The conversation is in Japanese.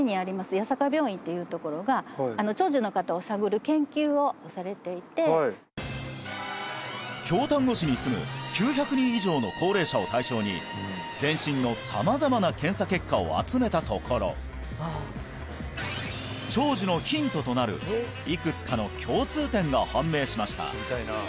弥栄病院っていうところが長寿の方を探る研究をされていて京丹後市に住む９００人以上の高齢者を対象に全身の様々な検査結果を集めたところ長寿のヒントとなるいくつかの共通点が判明しました